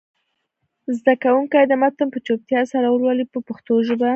زده کوونکي دې متن په چوپتیا سره ولولي په پښتو ژبه.